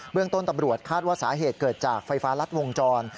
เรื่องต้นตำรวจคาดว่าสาเหตุเกิดจากไฟฟ้ารัดวงจร